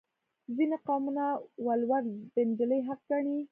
ځینې قومونه ولور د نجلۍ حق ګڼي.